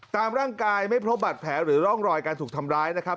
ตามร่างกายไม่พบบัตรแผลหรือร่องรอยการถูกทำร้ายนะครับ